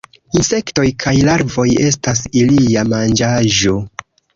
Insektoj kaj larvoj estas ilia manĝaĵo.